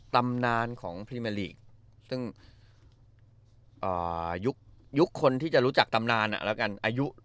ตำนานของซึ่งอ่ายุคยุคคนที่จะรู้จักตำนานอะแล้วกันอายุ